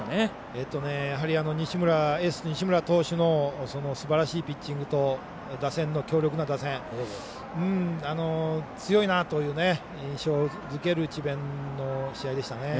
エース、西村投手のすばらしいピッチングと強力な打線強いなという印象づける智弁の試合でしたね。